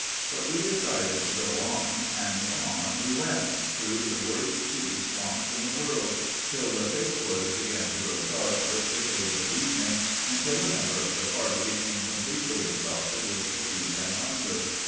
But we decided to go on, and on we went, through the worst cedar swamps in the world, till the thick woods began to grow dark with the shades of evening, and till a number of the party became completely exhausted with fatigue and hunger.